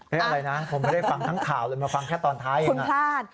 อะไรนะผมไม่ได้ฟังทั้งข่าวเลยมาฟังแค่ตอนท้ายเองนะ